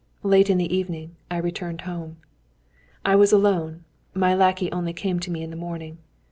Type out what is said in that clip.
Late in the evening I returned home. I was alone. My lackey only came to me in the morning.